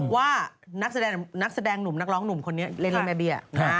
ว่านักแสดงหนุ่มนักร้องหนุ่มคนนี้เรลิเมเบีย